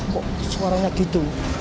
kok suaranya gitu